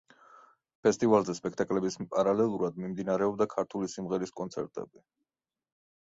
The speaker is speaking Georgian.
ფესტივალზე სპექტაკლების პარალელურად, მიმდინარეობდა ქართული სიმღერის კონცერტები.